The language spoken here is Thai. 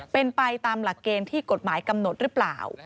เป็นไปตามหลักเกณฑ์ที่กฎหมายกำหนดหรือเปล่า